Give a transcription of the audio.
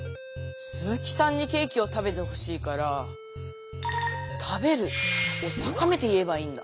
スズキさんにケーキを食べてほしいから「食べる」を高めて言えばいいんだ。